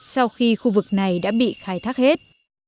sau khi khu vực này đã bị khai thác hết